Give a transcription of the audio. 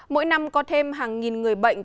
mỗi năm có thêm hàng nghìn người bệnh